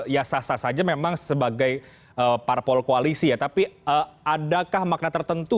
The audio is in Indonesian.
ya sah sah saja memang sebagai parpol koalisi ya tapi adakah makna tertentu